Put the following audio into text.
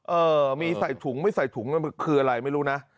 เออมีใส่ถุงไม่ใส่ถุงนั่นคืออะไรไม่รู้นะ